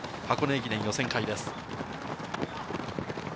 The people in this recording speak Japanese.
駅伝予選会です。